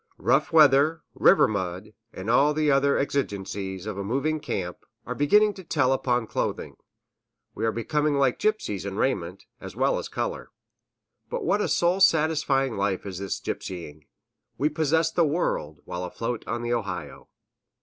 Rough weather, river mud, and all the other exigencies of a moving camp, are beginning to tell upon clothing; we are becoming like gypsies in raiment, as well as color. But what a soul satisfying life is this gypsying! We possess the world, while afloat on the Ohio!